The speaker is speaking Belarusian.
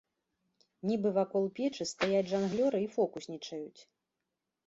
Нібы вакол печы стаяць жанглёры і фокуснічаюць.